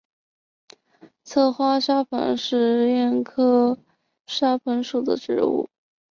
侧花沙蓬是苋科沙蓬属的植物。